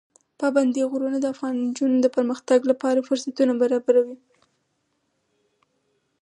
پابندی غرونه د افغان نجونو د پرمختګ لپاره فرصتونه برابروي.